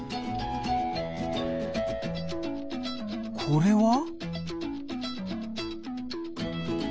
これは？